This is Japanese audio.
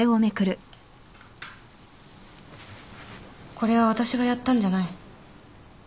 これは私がやったんじゃない。